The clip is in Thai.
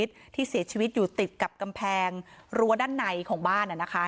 ที่เสียชีวิตอยู่ติดกับกำแพงรั้วด้านในของบ้าน